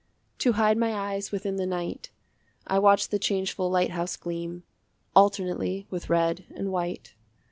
To hide my eyes within the night I watch the changeful lighthouse gleam Alternately with red and white.